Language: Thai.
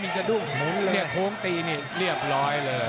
มันโดนแต่มันไม่ยุดนะ